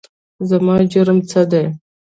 زما جرم څه دی ؟؟